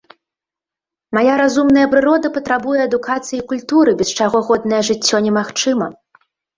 Мая разумная прырода патрабуе адукацыі і культуры, без чаго годнае жыццё немагчыма.